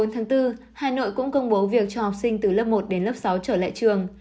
bốn tháng bốn hà nội cũng công bố việc cho học sinh từ lớp một đến lớp sáu trở lại trường